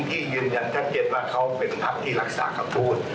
ที่ยืนยันแทบเจ็บว่าเขาเป็นภาคที่รักษากับพูด